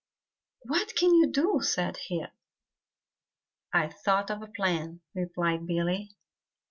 "What can we do?" said he. "I've thought of a plan," replied Billy.